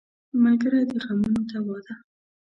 ملګری د غمونو دوا ده.